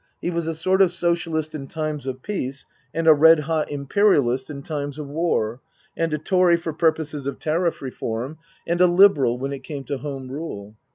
He was a sort of Socialist in time of peace and a red hot Imperialist in time of war, and a Tory for purposes of Tariff Reform, and a Liberal when it came to Home Rule.